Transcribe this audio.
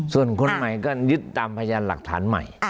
ส่วนคนใหม่ก็ยึดตามพยานหลักฐานใหม่